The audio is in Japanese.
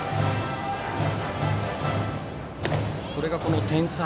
それがこの点差。